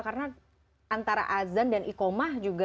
karena antara azan dan ikomah juga